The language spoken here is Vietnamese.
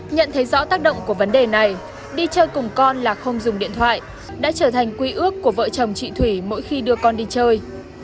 nhận thấy rõ tác động của vấn đề này đi chơi cùng con là không dùng điện thoại đã trở thành quy ước của vợ chồng chị thủy mỗi khi đưa con đi chơi